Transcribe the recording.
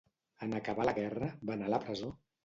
En acabar la guerra, va anar a la presó?